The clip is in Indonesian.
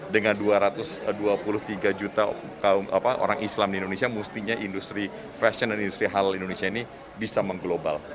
dengan dua ratus dua puluh tiga juta orang islam di indonesia mestinya industri fashion dan industri halal indonesia ini bisa mengglobal